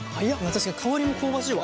確かに香りも香ばしいわ。